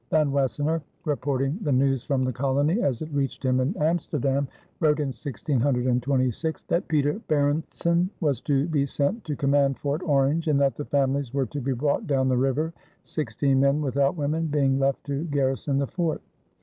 Van Wassenaer, reporting the news from the colony as it reached him in Amsterdam, wrote in 1626 that Pieter Barentsen was to be sent to command Fort Orange, and that the families were to be brought down the river, sixteen men without women being left to garrison the fort.